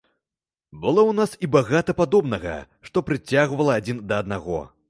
Было ў нас і багата падобнага, што прыцягвала адзін да аднаго.